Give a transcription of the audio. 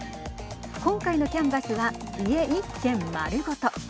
今回のキャンバスは家一軒丸ごと。